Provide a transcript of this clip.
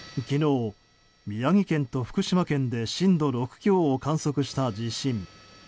昨日、宮城県と福島県で震度６強を観測した地震。